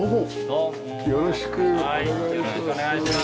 よろしくお願いします。